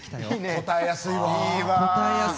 答えやすいね。